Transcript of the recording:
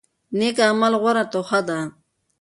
نیک اعمال غوره توښه ده.